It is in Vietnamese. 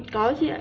có chị ạ